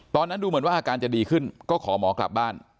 ตอนนั้นดูเหมือนว่าอาการจะดีขึ้นก็ขอหมอกลับบ้าน